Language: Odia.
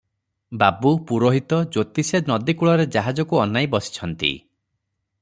ବାବୁ, ପୁରୋହିତ, ଜ୍ୟୋତିଷେ ନଦୀକୂଳରେ ଜାହାଜକୁ ଅନାଇ ବସିଛନ୍ତି ।